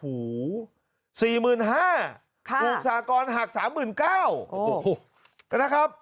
ถูกสากรหัก๓๙๐๐๐บาท